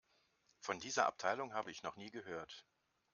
Von dieser Abteilung habe ich noch nie gehört.